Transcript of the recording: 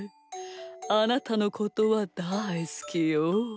あなたのことはだいすきよ。